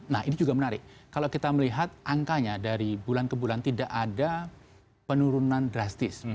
nah ini juga menarik kalau kita melihat angkanya dari bulan ke bulan tidak ada penurunan drastis